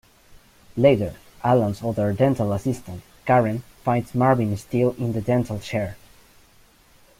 Later, Alan's other dental assistant, Karen, finds Marvin still in the dental chair.